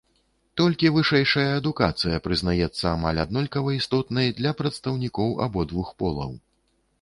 Толькі вышэйшая адукацыя прызнаецца амаль аднолькава істотнай для прадстаўнікоў абодвух полаў.